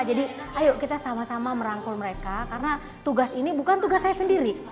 jadi ayo kita sama sama merangkul mereka karena tugas ini bukan tugas saya sendiri